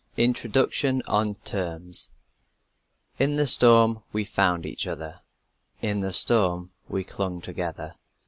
INTRODUCTION: ON TERMS "In the storm we found each other." "In the storm we clung together."